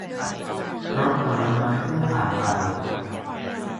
รถผลไม้เพิ่งผ่านไป